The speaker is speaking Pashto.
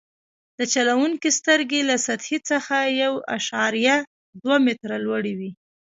د چلوونکي سترګې له سطحې څخه یو اعشاریه دوه متره لوړې وي